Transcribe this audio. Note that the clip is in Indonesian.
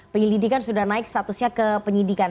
penyelidikan sudah naik statusnya ke penyidikan